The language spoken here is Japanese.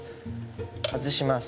外します。